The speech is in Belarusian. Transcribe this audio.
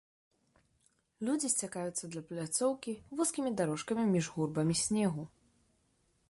Людзі сцякаюцца да пляцоўкі вузкімі дарожкамі між гурбамі снегу.